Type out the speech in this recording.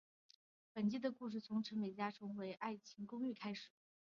本季的故事从陈美嘉重回爱情公寓开始。